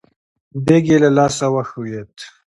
دېګ يې له لاسه وښوېد.